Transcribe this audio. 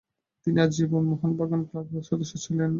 তিনি আজীবন মোহনবাগান ক্লাবের সদস্য ছিলেন।